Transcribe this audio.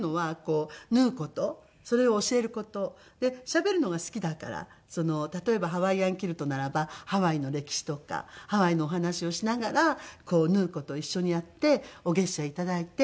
しゃべるのが好きだから例えばハワイアンキルトならばハワイの歴史とかハワイのお話をしながら縫う事を一緒にやってお月謝頂いて。